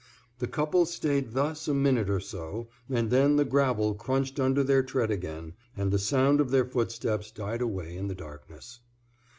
The couple stayed thus a minute or so, and then the gravel crunched under their tread again, and the sound of their footsteps died away in the darkness.